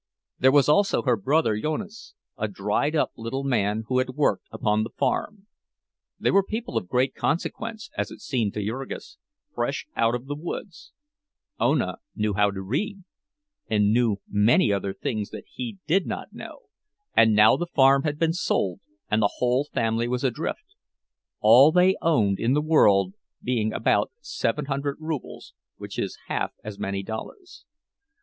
There was also her brother Jonas, a dried up little man who had worked upon the farm. They were people of great consequence, as it seemed to Jurgis, fresh out of the woods; Ona knew how to read, and knew many other things that he did not know, and now the farm had been sold, and the whole family was adrift—all they owned in the world being about seven hundred rubles which is half as many dollars.